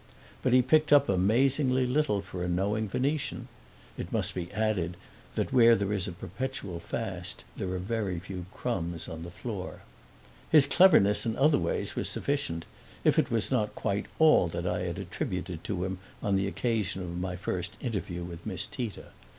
But he picked up amazingly little for a knowing Venetian: it must be added that where there is a perpetual fast there are very few crumbs on the floor. His cleverness in other ways was sufficient, if it was not quite all that I had attributed to him on the occasion of my first interview with Miss Tita.